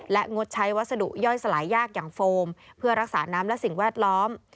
และงดใช้วัสดุย่อยสลายยากอย่างโฟมเพื่อรักษาน้ำและสิ่งแวดล้อม